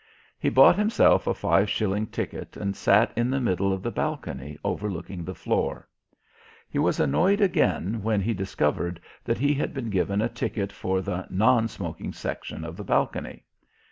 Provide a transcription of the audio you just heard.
He bought himself a five shilling ticket and sat in the middle of the balcony overlooking the floor. He was annoyed again when he discovered that he had been given a ticket for the "non smoking" section of the balcony.